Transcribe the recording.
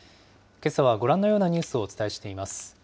けさはご覧のようなニュースをお伝えしています。